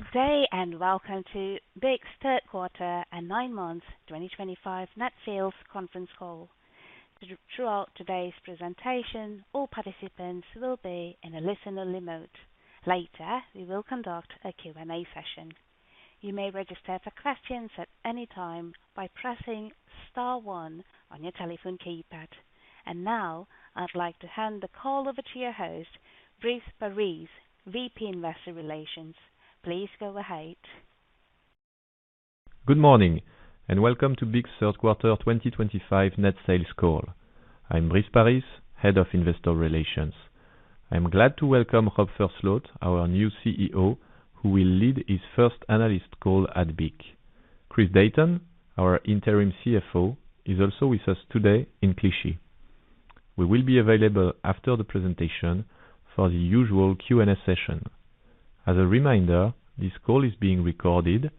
Good day and welcome to BIC's Third Quarter and Nine Months 2025 Net Sales Conference call. Throughout today's presentation, all participants will be in a listener mode. Later, we will conduct a Q&A session. You may register for questions at any time by pressing star one on your telephone keypad. Now, I'd like to hand the call over to your host, Brice Paris, VP Investor Relations. Please go ahead. Good morning and welcome to BIC's Third Quarter 2025 Net Sales call. I'm Brice Paris, Head of Investor Relations. I'm glad to welcome Rob Versloot, our new CEO, who will lead his first analyst call at BIC. Chris Dayton, our Interim CFO, is also with us today in Clichy. We will be available after the presentation for the usual Q&A session. As a reminder, this call is being recorded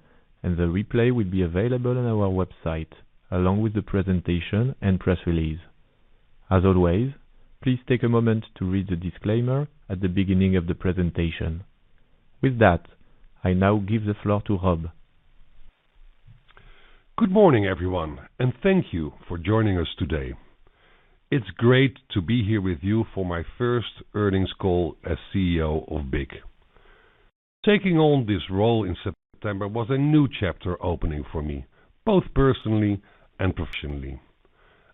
and the replay will be available on our website along with the presentation and press release. As always, please take a moment to read the disclaimer at the beginning of the presentation. With that, I now give the floor to Rob. Good morning, everyone, and thank you for joining us today. It's great to be here with you for my first earnings call as CEO of BIC. Taking on this role in September was a new chapter opening for me, both personally and professionally.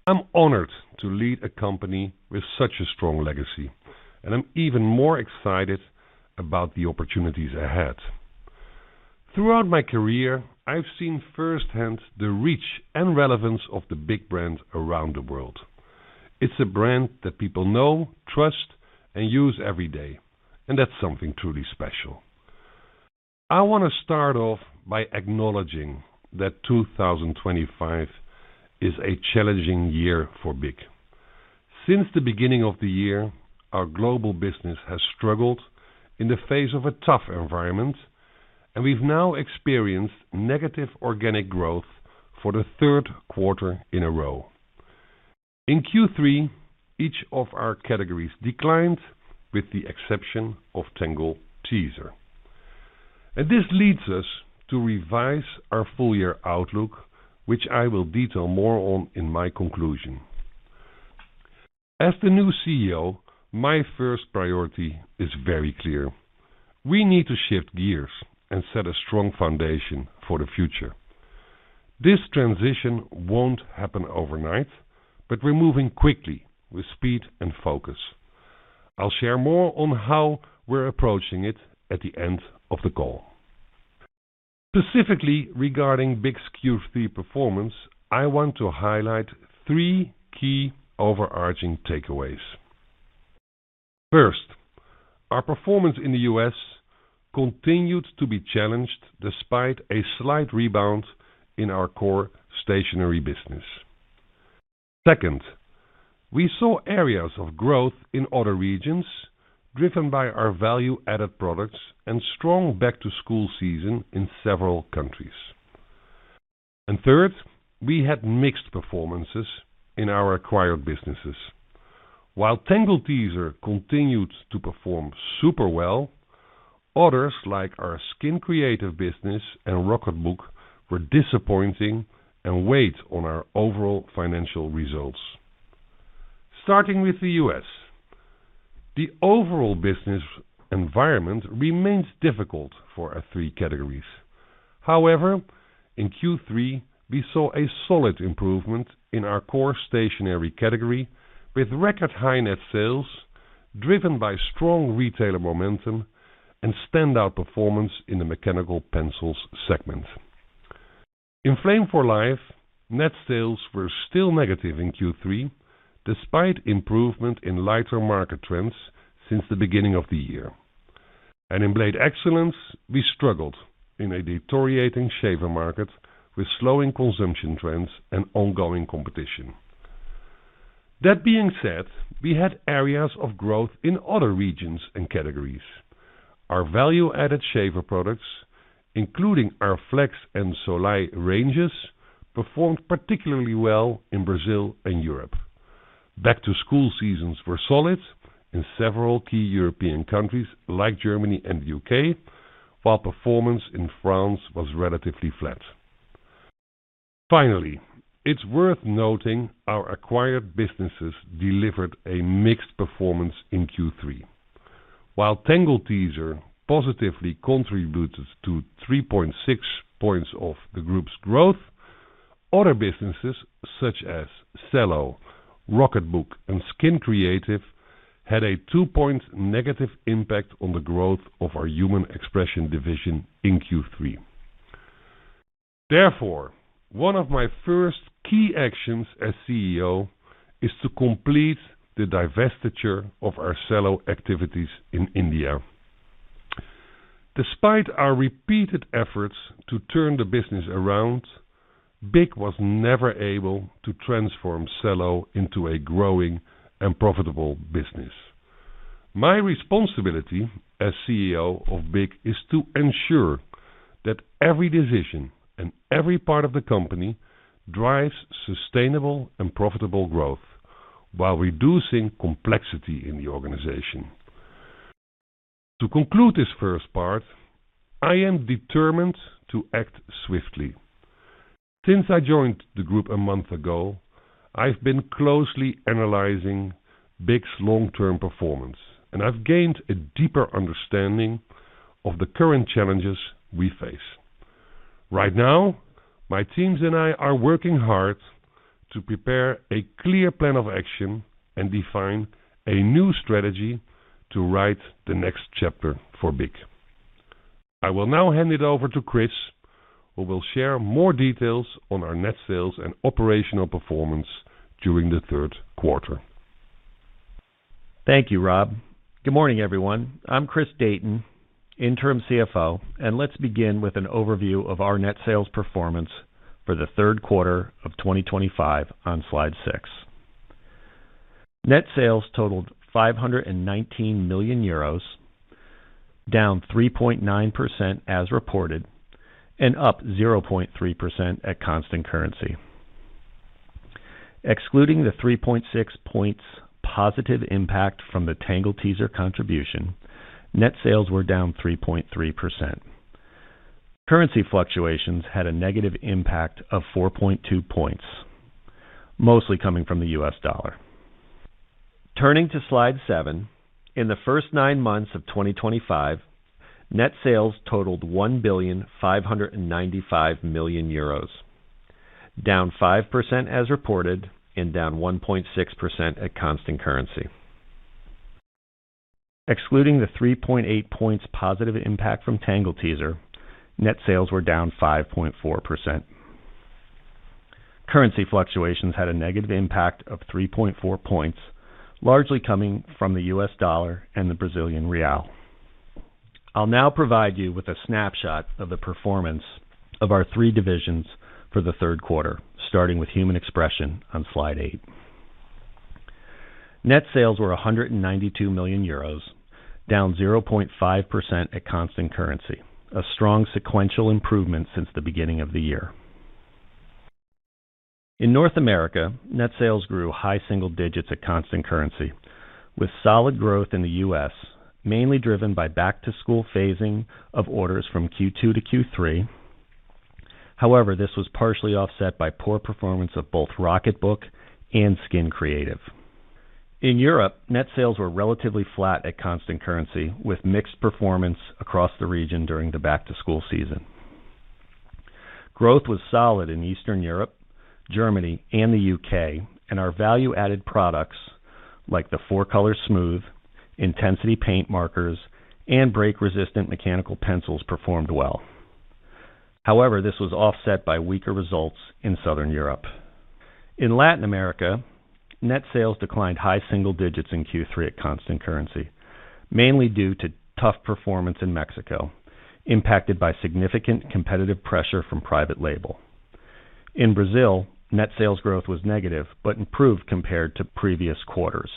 I'm honored to lead a company with such a strong legacy, and I'm even more excited about the opportunities ahead. Throughout my career, I've seen firsthand the reach and relevance of the BIC brand around the world. It's a brand that people know, trust, and use every day, and that's something truly special. I want to start off by acknowledging that 2025 is a challenging year for BIC. Since the beginning of the year, our global business has struggled in the face of a tough environment, and we've now experienced negative organic growth for the third quarter in a row. In Q3, each of our categories declined with the exception of Tangle Teezer. This leads us to revise our full-year outlook, which I will detail more on in my conclusion. As the new CEO, my first priority is very clear. We need to shift gears and set a strong foundation for the future. This transition won't happen overnight, but we're moving quickly with speed and focus. I'll share more on how we're approaching it at the end of the call. Specifically regarding BIC's Q3 performance, I want to highlight three key overarching takeaways. First, our performance in the U.S. continued to be challenged despite a slight rebound in our core stationery business. Second, we saw areas of growth in other regions driven by our value-added products and strong back-to-school season in several countries. Third, we had mixed performances in our acquired businesses. While Tangle Teezer continued to perform super well, others like our Skin Creative business and Rocketbook were disappointing and weighed on our overall financial results. Starting with the U.S., the overall business environment remains difficult for our three categories. However, in Q3, we saw a solid improvement in our core stationery category with record high net sales driven by strong retailer momentum and standout performance in the mechanical pencils segment. In Flame for Life, net sales were still negative in Q3, despite improvement in lighter market trends since the beginning of the year. In Blade Excellence, we struggled in a deteriorating shaver market with slowing consumption trends and ongoing competition. That being said, we had areas of growth in other regions and categories. Our value-added shaver products, including our Flex and Soleil ranges, performed particularly well in Brazil and Europe. Back-to-school seasons were solid in several key European countries like Germany and the U.K., while performance in France was relatively flat. Finally, it's worth noting our acquired businesses delivered a mixed performance in Q3. While Tangle Teezer positively contributed to 3.6% of the group's growth, other businesses such as Cello, Rocketbook, and Skin Creative had a 2 points negative impact on the growth of our Human Expression division in Q3. Therefore, one of my first key actions as CEO is to complete the divestiture of our Cello activities in India. Despite our repeated efforts to turn the business around, BIC was never able to transform Cello into a growing and profitable business. My responsibility as CEO of BIC is to ensure that every decision and every part of the company drives sustainable and profitable growth while reducing complexity in the organization. To conclude this first part, I am determined to act swiftly. Since I joined the group a month ago, I've been closely analyzing BIC's long-term performance, and I've gained a deeper understanding of the current challenges we face. Right now, my teams and I are working hard to prepare a clear plan of action and define a new strategy to write the next chapter for BIC. I will now hand it over to Chris, who will share more details on our net sales and operational performance during the third quarter. Thank you, Rob. Good morning, everyone. I'm Chris Dayton, Interim CFO, and let's begin with an overview of our net sales performance for the third quarter of 2025 on slide six. Net sales totaled 519 million euros, down 3.9% as reported, and up 0.3% at constant currency. Excluding the 3.6 points positive impact from the Tangle Teezer contribution, net sales were down 3.3%. Currency fluctuations had a negative impact of 4.2 points, mostly coming from the U.S. dollar. Turning to slide seven, in the first nine months of 2025, net sales totaled 1,595 million euros, down 5% as reported, and down 1.6% at constant currency. Excluding the 3.8 points positive impact from Tangle Teezer, net sales were down 5.4%. Currency fluctuations had a negative impact of 3.4 points, largely coming from the U.S. dollar and the Brazilian real. I'll now provide you with a snapshot of the performance of our three divisions for the third quarter, starting with Human Expression on slide eight. Net sales were 192 million euros, down 0.5% at constant currency, a strong sequential improvement since the beginning of the year. In North America, net sales grew high single digits at constant currency, with solid growth in the U.S., mainly driven by back-to-school phasing of orders from Q2 to Q3. However, this was partially offset by poor performance of both Rocketbook and Skin Creative. In Europe, net sales were relatively flat at constant currency, with mixed performance across the region during the back-to-school season. Growth was solid in Eastern Europe, Germany, and the U.K., and our value-added products like the 4-Color Smooth, Intensity Paint Markers, and break-resistant mechanical pencils performed well. However, this was offset by weaker results in Southern Europe. In Latin America, net sales declined high single digits in Q3 at constant currency, mainly due to tough performance in Mexico, impacted by significant competitive pressure from private label. In Brazil, net sales growth was negative but improved compared to previous quarters.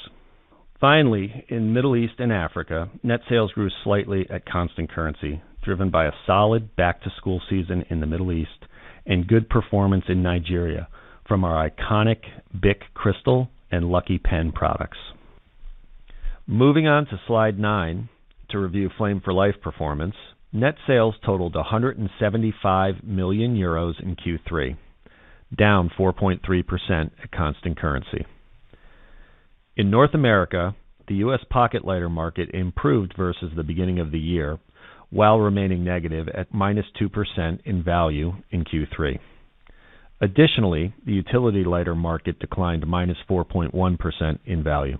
Finally, in the Middle East and Africa, net sales grew slightly at constant currency, driven by a solid back-to-school season in the Middle East and good performance in Nigeria from our iconic BIC Cristal and Lucky Pen products. Moving on to slide nine, to review Flame for Life performance, net sales totaled 175 million euros in Q3, down 4.3% at constant currency. In North America, the U.S. pocket lighter market improved versus the beginning of the year while remaining negative at -2% in value in Q3. Additionally, the utility lighter market declined -4.1% in value.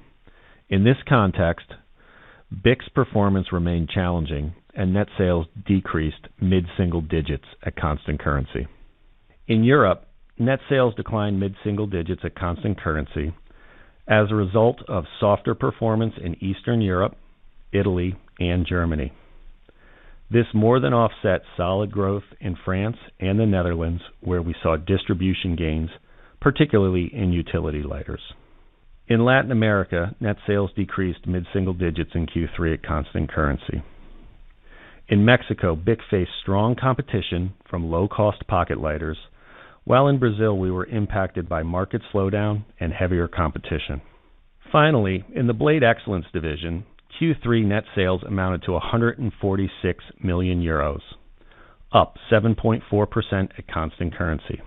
In this context, BIC's performance remained challenging, and net sales decreased mid-single digits at constant currency. In Europe, net sales declined mid-single digits at constant currency as a result of softer performance in Eastern Europe, Italy, and Germany. This more than offset solid growth in France and the Netherlands, where we saw distribution gains, particularly in utility lighters. In Latin America, net sales decreased mid-single digits in Q3 at constant currency. In Mexico, BIC faced strong competition from low-cost pocket lighters, while in Brazil, we were impacted by market slowdown and heavier competition. Finally, in the Blade Excellence division, Q3 net sales amounted to 146 million euros, up 7.4% at constant currency.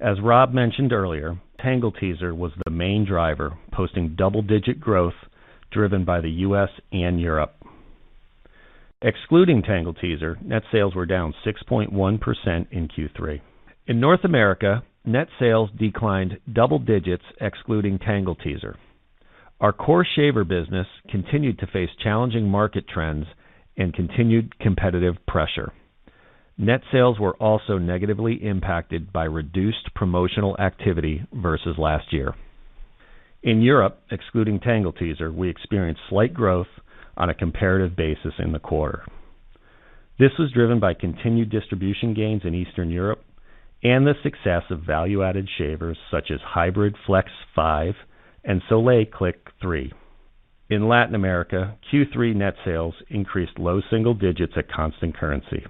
As Rob mentioned earlier, Tangle Teezer was the main driver, posting double-digit growth driven by the U.S. and Europe. Excluding Tangle Teezer, net sales were down 6.1% in Q3. In North America, net sales declined double digits, excluding Tangle Teezer. Our core shaver business continued to face challenging market trends and continued competitive pressure. Net sales were also negatively impacted by reduced promotional activity versus last year. In Europe, excluding Tangle Teezer, we experienced slight growth on a comparative basis in the quarter. This was driven by continued distribution gains in Eastern Europe and the success of value-added shavers such as Hybrid Flex 5 and Soleil Click 3. In Latin America, Q3 net sales increased low single digits at constant currency.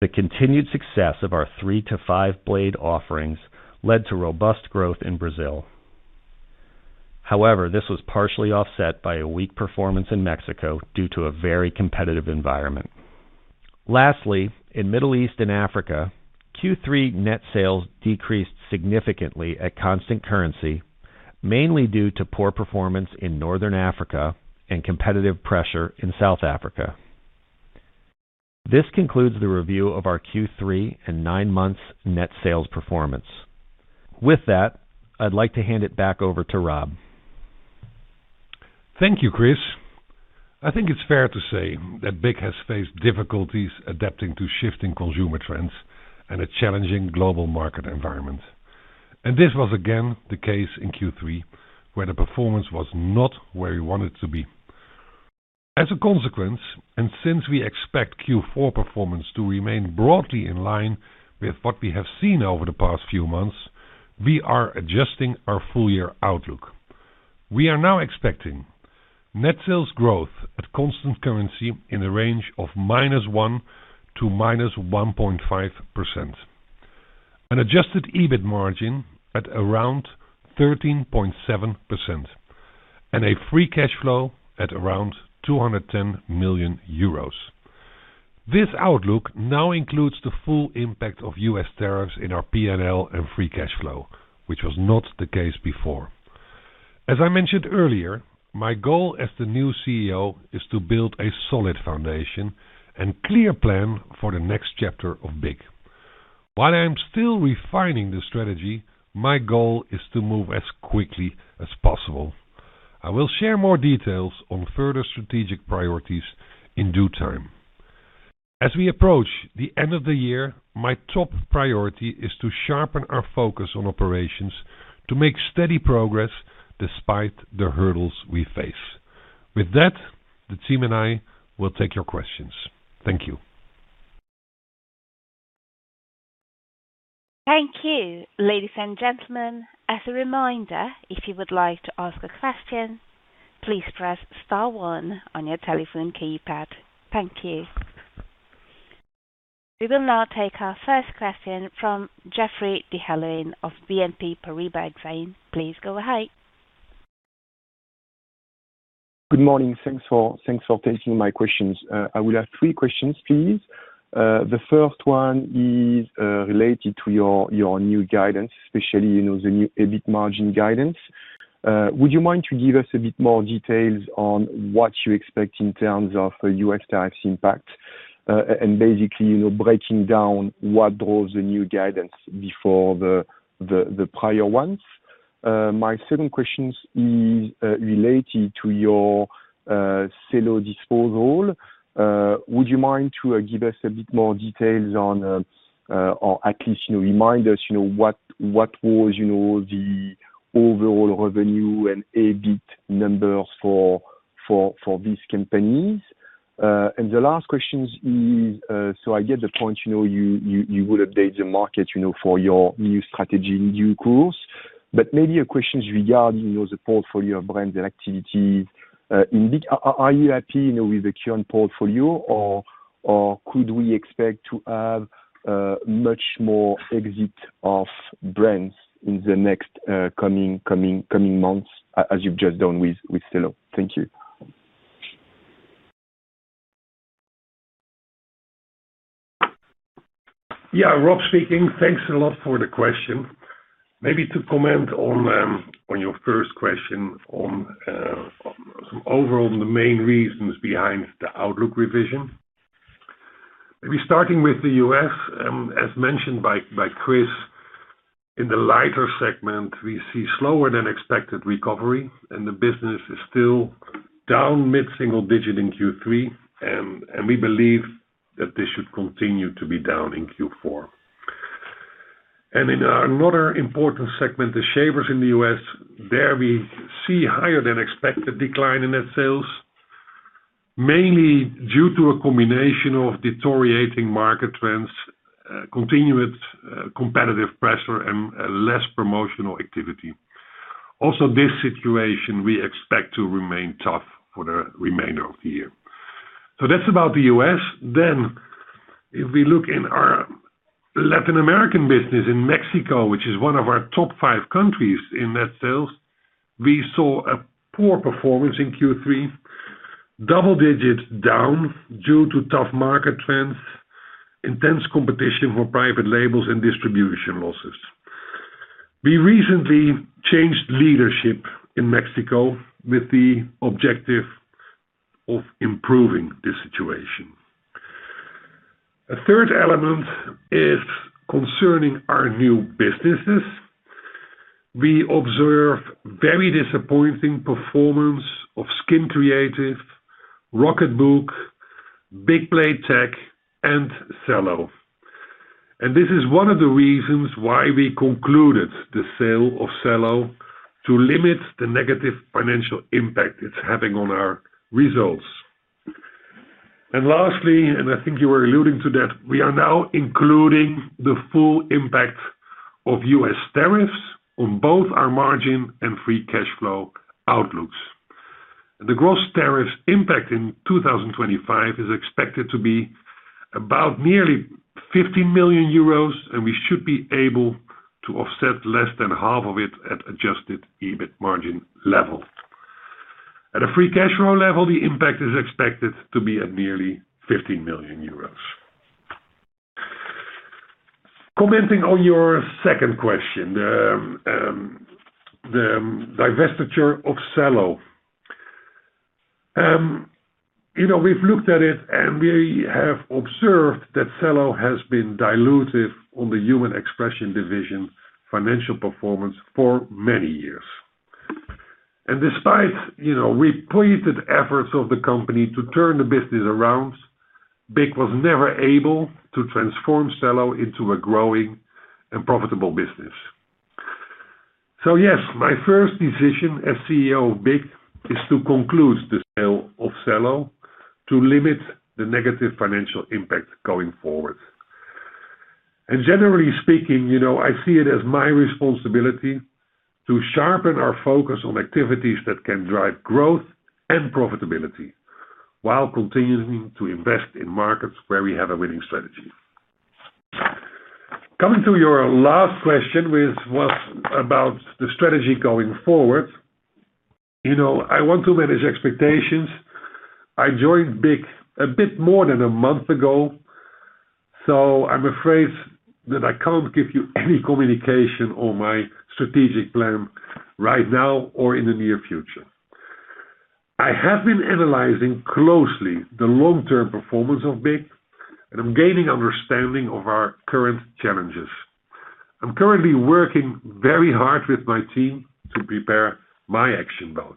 The continued success of our three to five Blade offerings led to robust growth in Brazil. However, this was partially offset by a weak performance in Mexico due to a very competitive environment. Lastly, in the Middle East and Africa, Q3 net sales decreased significantly at constant currency, mainly due to poor performance in Northern Africa and competitive pressure in South Africa. This concludes the review of our Q3 and nine months net sales performance. With that, I'd like to hand it back over to Rob. Thank you, Chris. I think it's fair to say that BIC has faced difficulties adapting to shifting consumer trends and a challenging global market environment. This was again the case in Q3, where the performance was not where we wanted it to be. As a consequence, and since we expect Q4 performance to remain broadly in line with what we have seen over the past few months, we are adjusting our full-year outlook. We are now expecting net sales growth at constant currency in the range of -1% to -1.5%, an adjusted EBIT margin at around 13.7%, and a free cash flow at around 210 million euros. This outlook now includes the full impact of U.S. tariffs in our P&L and free cash flow, which was not the case before. As I mentioned earlier, my goal as the new CEO is to build a solid foundation and clear plan for the next chapter of BIC. While I'm still refining the strategy, my goal is to move as quickly as possible. I will share more details on further strategic priorities in due time. As we approach the end of the year, my top priority is to sharpen our focus on operations to make steady progress despite the hurdles we face. With that, the team and I will take your questions. Thank you. Thank you, ladies and gentlemen. As a reminder, if you would like to ask a question, please press star one on your telephone keypad. Thank you. We will now take our first question from Geoffrey d'Halluin of BNP Paribas Exane. Please go ahead. Good morning. Thanks for taking my questions. I will have three questions, please. The first one is related to your new guidance, especially the new EBIT margin guidance. Would you mind to give us a bit more details on what you expect in terms of U.S. tariffs impact, and basically breaking down what draws the new guidance before the prior ones? My second question is related to your Cello disposal. Would you mind to give us a bit more details on, or at least remind us what was the overall revenue and EBIT numbers for these companies? The last question is, I get the point you will update the market for your new strategy in due course, but maybe a question is regarding the portfolio of brands and activities. Are you happy with the current portfolio, or could we expect to have much more exit of brands in the next coming months, as you've just done with Cello? Thank you. Yeah, Rob speaking. Thanks a lot for the question. Maybe to comment on your first question on some overall main reasons behind the outlook revision. Maybe starting with the U.S., as mentioned by Chris, in the lighter segment, we see slower than expected recovery, and the business is still down mid-single digit in Q3, and we believe that this should continue to be down in Q4. In another important segment, the shavers in the U.S., there we see a higher than expected decline in net sales, mainly due to a combination of deteriorating market trends, continued competitive pressure, and less promotional activity. Also, this situation we expect to remain tough for the remainder of the year. That's about the U.S. If we look in our Latin American business in Mexico, which is one of our top five countries in net sales, we saw a poor performance in Q3, double digits down due to tough market trends, intense competition for private labels, and distribution losses. We recently changed leadership in Mexico with the objective of improving this situation. A third element is concerning our new businesses. We observe very disappointing performance of Skin Creative, Rocketbook, Blade Excellence, and Cello. This is one of the reasons why we concluded the sale of Cello, to limit the negative financial impact it's having on our results. Lastly, and I think you were alluding to that, we are now including the full impact of U.S. tariffs on both our margin and free cash flow outlooks. The gross tariffs impact in 2025 is expected to be about nearly 15 million euros, and we should be able to offset less than half of it at adjusted EBIT margin level. At a free cash flow level, the impact is expected to be at nearly 15 million euros. Commenting on your second question, the divestiture of Cello. You know, we've looked at it, and we have observed that Cello has been dilutive on the Human Expression division financial performance for many years. Despite repeated efforts of the company to turn the business around, BIC was never able to transform Cello into a growing and profitable business. Yes, my first decision as CEO of BIC is to conclude the sale of Cello to limit the negative financial impact going forward. Generally speaking, I see it as my responsibility to sharpen our focus on activities that can drive growth and profitability while continuing to invest in markets where we have a winning strategy. Coming to your last question, which was about the strategy going forward, I want to manage expectations. I joined BIC a bit more than a month ago, so I'm afraid that I can't give you any communication on my strategic plan right now or in the near future. I have been analyzing closely the long-term performance of BIC, and I'm gaining understanding of our current challenges. I'm currently working very hard with my team to prepare my action plan.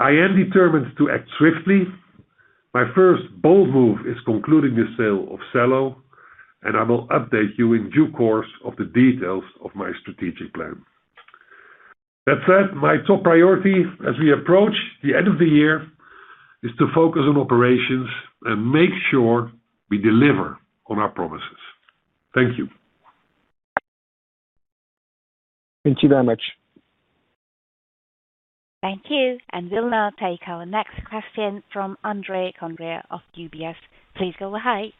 I am determined to act swiftly. My first bold move is concluding the sale of Cello, and I will update you in due course of the details of my strategic plan. That said, my top priority as we approach the end of the year is to focus on operations and make sure we deliver on our promises. Thank you. Thank you very much. Thank you. We'll now take our next question from [Andrei Conde] of UBS. Please go ahead.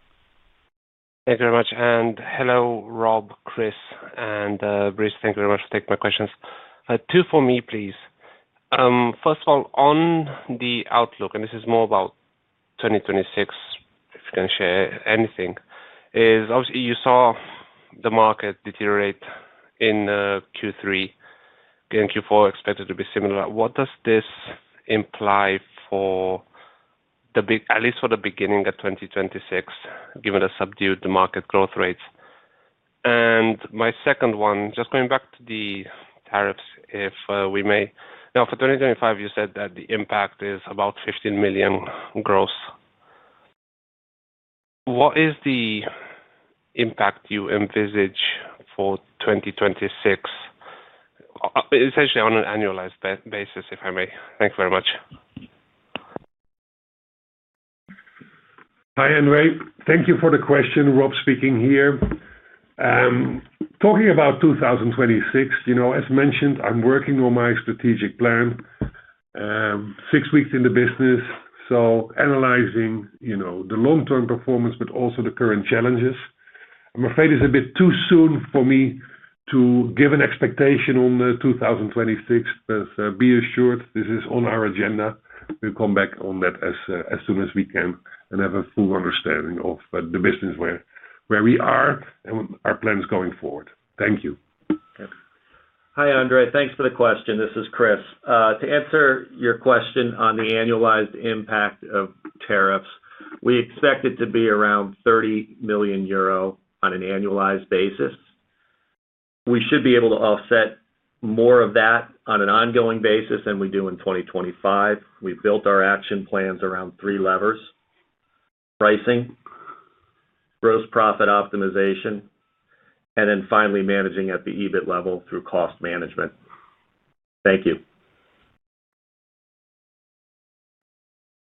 Thank you very much. Hello, Rob, Chris, and Brice. Thank you very much for taking my questions. Two for me, please. First of all, on the outlook, and this is more about 2026, if you can share anything, is obviously you saw the market deteriorate in Q3. Q4 is expected to be similar. What does this imply for the big, at least for the beginning of 2026, given the subdued market growth rates? My second one, just going back to the tariffs, if we may, now for 2025, you said that the impact is about 15 million gross. What is the impact you envisage for 2026, essentially on an annualized basis, if I may? Thank you very much. Hi, Andre. Thank you for the question. Rob speaking here. Talking about 2026, you know, as mentioned, I'm working on my strategic plan, six weeks in the business, analyzing the long-term performance, but also the current challenges. I'm afraid it's a bit too soon for me to give an expectation on 2026, but be assured this is on our agenda. We'll come back on that as soon as we can and have a full understanding of the business, where we are, and our plans going forward. Thank you. Hi, Andre. Thanks for the question. This is Chris. To answer your question on the annualized impact of tariffs, we expect it to be around 30 million euro on an annualized basis. We should be able to offset more of that on an ongoing basis than we do in 2025. We've built our action plans around three levers: pricing, gross profit optimization, and then finally managing at the EBIT level through cost management. Thank you. Thank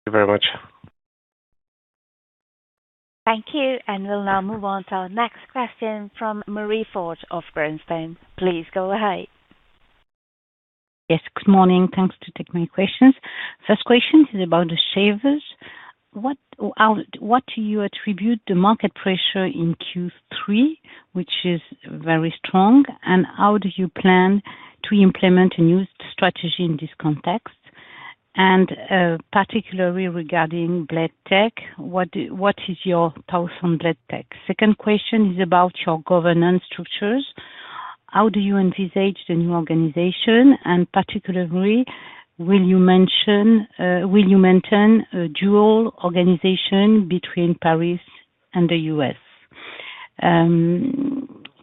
you very much. Thank you. We'll now move on to our next question from Marie Fort of Bernstein. Please go ahead. Yes, good morning. Thanks for taking my questions. First question is about the shavers. What do you attribute the market pressure in Q3, which is very strong, and how do you plan to implement a new strategy in this context? Particularly regarding Blade Excellence, what are your thoughts on Blade Excellence? Second question is about your governance structures. How do you envisage the new organization, and particularly will you maintain a dual organization between Paris and the U.S.?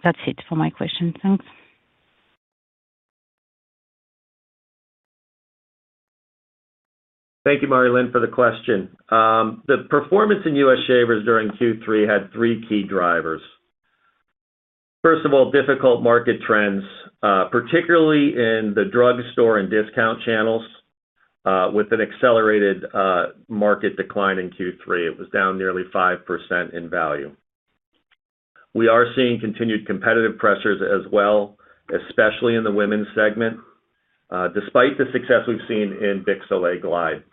That's it for my question. Thanks. Thank you, Marilyn, for the question. The performance in U.S. shavers during Q3 had three key drivers. First of all, difficult market trends, particularly in the drugstore and discount channels, with an accelerated market decline in Q3. It was down nearly 5% in value. We are seeing continued competitive pressures as well, especially in the women's segment, despite the success we've seen in BIC's Soleil Glide.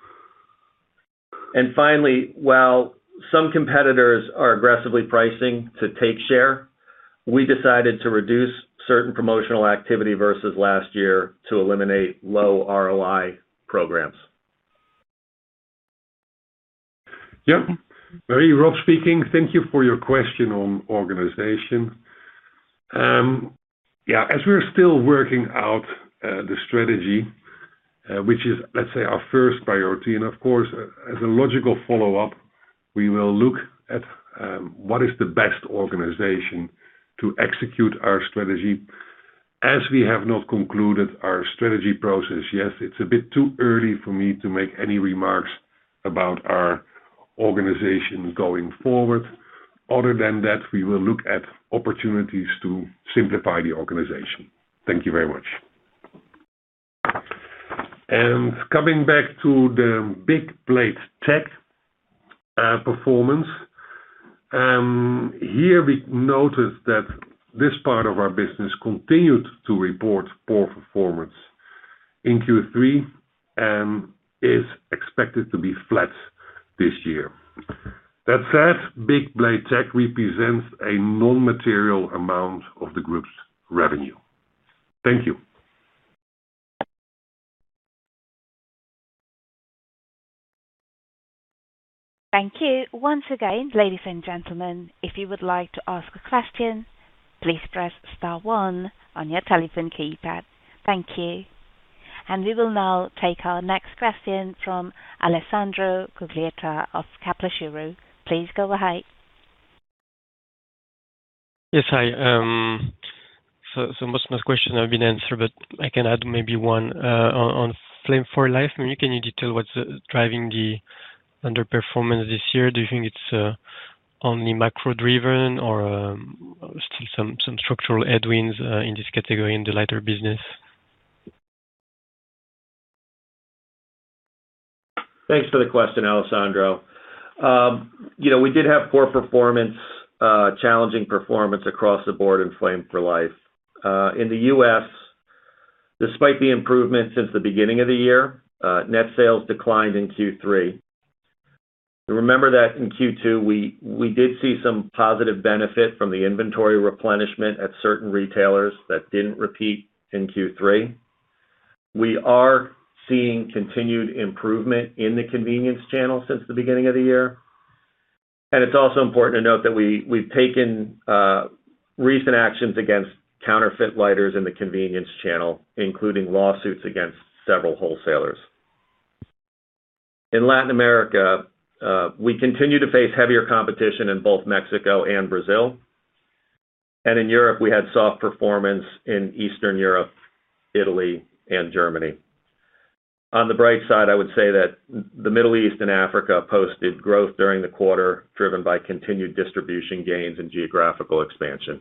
Finally, while some competitors are aggressively pricing to take share, we decided to reduce certain promotional activity versus last year to eliminate low ROI programs. Yeah. Marie, Rob speaking. Thank you for your question on organization. As we're still working out the strategy, which is, let's say, our first priority, and of course, as a logical follow-up, we will look at what is the best organization to execute our strategy. As we have not concluded our strategy process yet, it's a bit too early for me to make any remarks about our organization going forward. Other than that, we will look at opportunities to simplify the organization. Thank you very much. Coming back to the BIC Blade Tech performance, here we noticed that this part of our business continued to report poor performance in Q3 and is expected to be flat this year. That said, BIC Blade Tech represents a non-material amount of the group's revenue. Thank you. Thank you. Once again, ladies and gentlemen, if you would like to ask a question, please press star one on your telephone keypad. Thank you. We will now take our next question from Alessandro Cuglietta of Kepler Cheuvreux. Please go ahead. Yes, hi. Most of my questions have been answered, but I can add maybe one on Flame for Life. Can you detail what's driving the underperformance this year? Do you think it's only macro-driven or still some structural headwinds in this category in the lighter business? Thanks for the question, Alessandro. You know, we did have poor performance, challenging performance across the board in Flame for Life. In the U.S., despite the improvement since the beginning of the year, net sales declined in Q3. You remember that in Q2, we did see some positive benefit from the inventory replenishment at certain retailers that didn't repeat in Q3. We are seeing continued improvement in the convenience channel since the beginning of the year. It's also important to note that we've taken recent actions against counterfeit lighters in the convenience channel, including lawsuits against several wholesalers. In Latin America, we continue to face heavier competition in both Mexico and Brazil. In Europe, we had soft performance in Eastern Europe, Italy, and Germany. On the bright side, I would say that the Middle East and Africa posted growth during the quarter, driven by continued distribution gains and geographical expansion.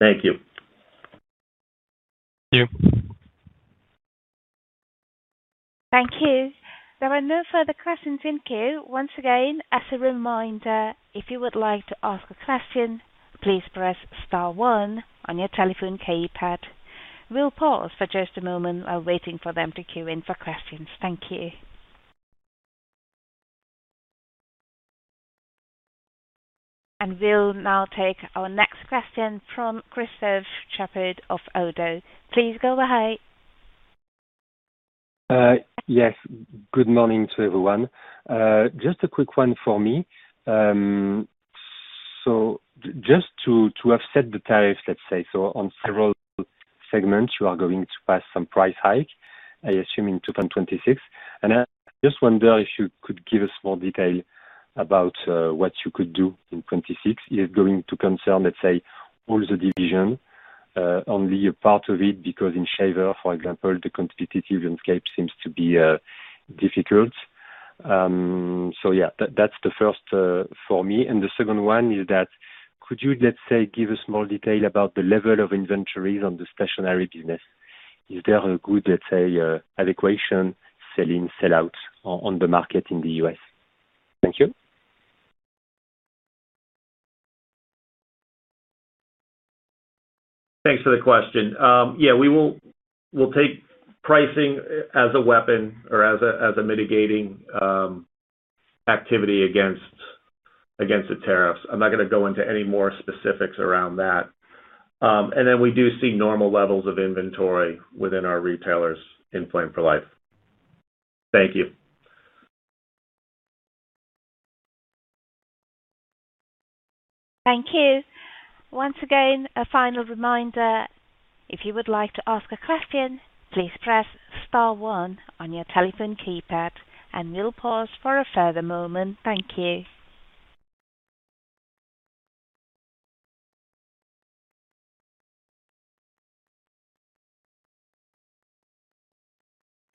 Thank you. Thank you. Thank you. There are no further questions in queue. As a reminder, if you would like to ask a question, please press star one on your telephone keypad. We'll pause for just a moment while waiting for them to queue in for questions. Thank you. We'll now take our next question from Christophe Chaput of Oddo. Please go ahead. Yes. Good morning to everyone. Just a quick one for me. Just to offset the tariffs, let's say, on several segments, you are going to pass some price hike, I assume in 2026. I just wonder if you could give us more detail about what you could do in 2026. Is it going to concern, let's say, all the divisions, only a part of it? In shaver, for example, the competitive landscape seems to be difficult. That's the first for me. The second one is that could you, let's say, give us more detail about the level of inventories on the stationery business? Is there a good, let's say, adequation selling sell-out on the market in the U.S.? Thank you. Thanks for the question. We will take pricing as a weapon or as a mitigating activity against the tariffs. I'm not going to go into any more specifics around that. We do see normal levels of inventory within our retailers in Flame for Life. Thank you. Thank you. Once again, a final reminder. If you would like to ask a question, please press star one on your telephone keypad, and we'll pause for a further moment. Thank you.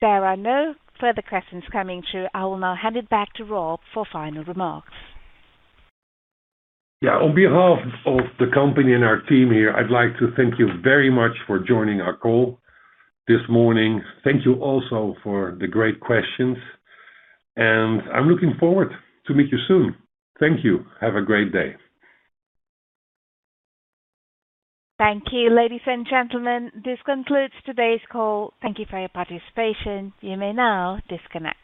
There are no further questions coming through. I will now hand it back to Rob for final remarks. Yeah. On behalf of the company and our team here, I'd like to thank you very much for joining our call this morning. Thank you also for the great questions. I'm looking forward to meeting you soon. Thank you. Have a great day. Thank you, ladies and gentlemen. This concludes today's call. Thank you for your participation. You may now disconnect.